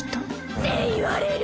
って言われる！